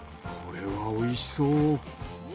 これはおいしそう。